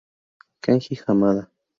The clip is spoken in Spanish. Kenji Hamada